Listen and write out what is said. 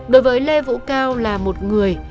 đối với lê vũ cao là một người